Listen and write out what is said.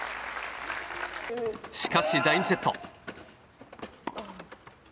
しかし、第２セット。